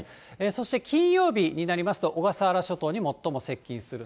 そして金曜日になりますと、小笠原諸島に最も接近する。